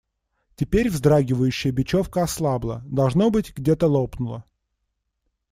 Теперь вздрагивающая бечевка ослабла – должно быть, где-то лопнула.